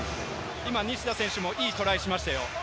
西田選手も今いいトライしましたよ。